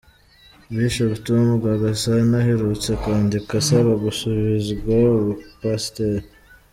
Bishop Tom Rwagasana aherutse kwandika asaba gusubizwa Ubupasiteri.